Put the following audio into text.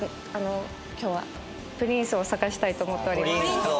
今日はプリンスを探したいと思っております。